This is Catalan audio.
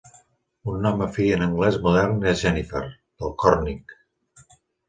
Un nom afí en anglès modern és Jennifer, del còrnic.